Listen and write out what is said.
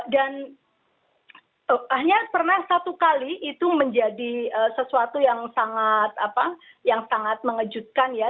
dan hanya pernah satu kali itu menjadi sesuatu yang sangat mengejutkan ya